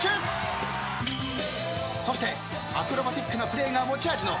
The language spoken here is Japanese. そしてアクロバティックなプレーが持ち味の。